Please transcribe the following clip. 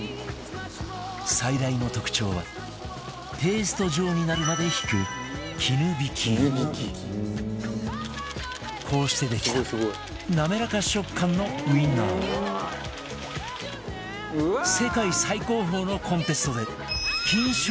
最大の特徴はペースト状になるまでひくこうしてできた滑らか食感のウインナーは世界最高峰のコンテストで金賞を受賞した事も